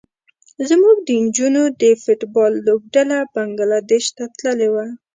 زموږ د نجونو د فټ بال لوبډله بنګلادیش ته تللې وه.